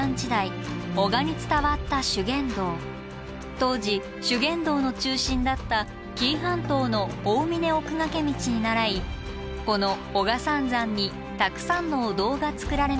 当時修験道の中心だった紀伊半島の「大峯奥駈道」にならいこの男鹿三山にたくさんのお堂が作られました。